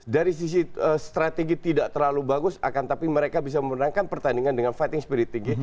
dari sisi strategi tidak terlalu bagus akan tapi mereka bisa memenangkan pertandingan dengan fighting spirit tinggi